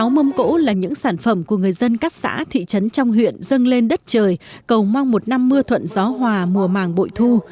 một mươi sáu mông cổ là những sản phẩm của người dân các xã thị trấn trong huyện dâng lên đất trời cầu mong một năm mưa thuận gió hòa mùa màng bội thu